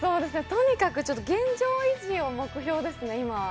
とにかくちょっと現状維持を目標ですね、今は。